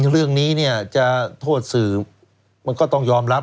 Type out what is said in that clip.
เรื่องนี้เนี่ยจะโทษสื่อมันก็ต้องยอมรับ